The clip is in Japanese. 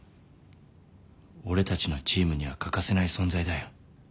俺たちのチームには欠かせない存在だよ。